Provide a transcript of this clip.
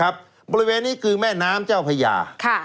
บริเวณนี้คือแม่น้ำเจ้าพญา